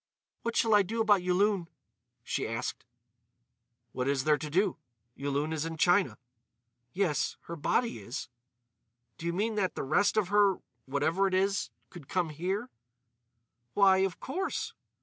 "What shall I do about Yulun?" she asked. "What is there to do? Yulun is in China." "Yes, her body is." "Do you mean that the rest of her—whatever it is—could come here?" "Why, of course."